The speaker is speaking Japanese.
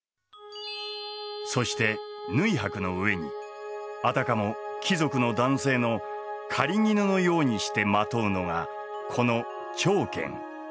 そして縫箔の上にあたかも貴族の男性の狩衣のようにしてまとうのがこの長絹。